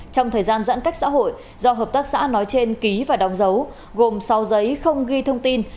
trong thời gian giãn cách xã hội do hợp tác xã nói trên ký và đóng dấu gồm sáu giấy không ghi thông tin